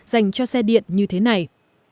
dành cho xe điện như thế này